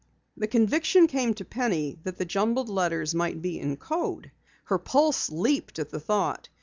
The conviction came to Penny that the jumbled letters might be in code. Her pulse leaped at the thought.